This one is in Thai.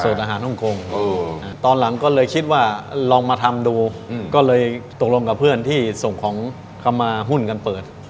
อาหารฮ่องกงตอนหลังก็เลยคิดว่าลองมาทำดูก็เลยตกลงกับเพื่อนที่ส่งของเข้ามาหุ้นกันเปิด